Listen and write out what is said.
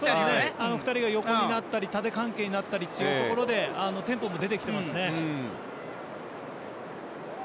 あの２人が横だったり縦関係になったりというところでテンポも出てきています。